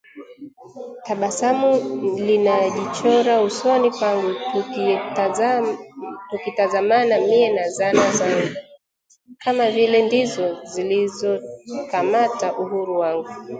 Tabasamu linajichora usoni pangu tukitazamana mie na zana zangu, kama vile ndizo zilizokamata uhuru wangu